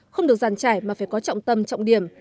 không được giàn trải mà phải có trọng tâm trọng điểm